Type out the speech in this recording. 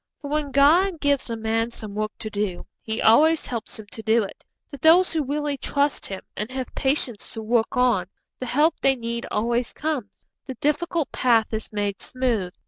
For when God gives a man some work to do, He always helps him to do it. To those who really trust Him, and have patience to work on, the help they need always comes, the difficult path is made smooth.